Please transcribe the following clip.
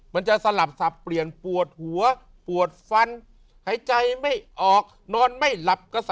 มันจะสลับสับเปลี่ยนปวดหัวปวดฟันหายใจไม่ออกนอนไม่หลับกระสับ